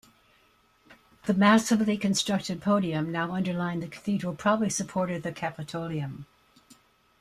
The massively constructed podium now underlying the cathedral probably supported the Capitolium.